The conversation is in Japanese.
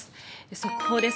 速報です。